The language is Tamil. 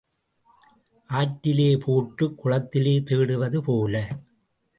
ஆற்றிலே போட்டுக் குளத்திலே தேடுவது போல.